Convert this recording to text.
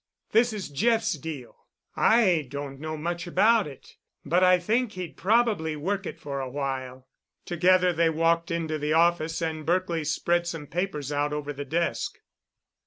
This is Jeff's deal. I don't know much about it, but I think he'd probably work it for a while." Together they walked into the office, and Berkely spread some papers out over the desk.